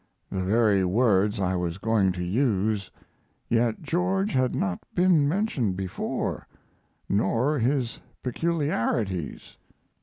The very words I was going to use. Yet George had not been mentioned before, nor his peculiarities.